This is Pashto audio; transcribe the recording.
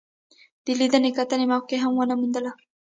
د لیدنې کتنې موقع مې ونه موندله.